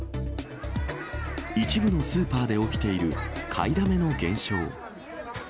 一部のスーパーで起きている買いだめの現象。